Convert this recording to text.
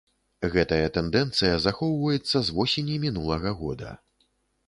Гэтая тэндэнцыя захоўваецца з восені мінулага года.